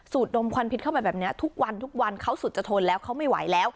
สูตรดมควันพิษเข้ามาแบบนี้ทุกวันเขาสุดจะโทนแล้วเขาไม่ไหวแล้ว